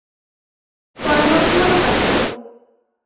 পরামর্শমত কাজ হইল।